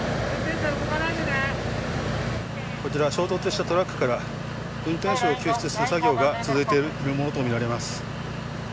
こちら衝突したトラックから運転手を救出する作業が続いているものとみられます。